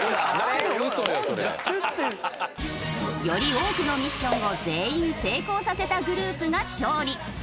より多くのミッションを全員成功させたグループが勝利。